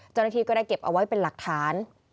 เจ้าหน้าที่ก็ได้เก็บเอาไว้เป็นหลักฐาน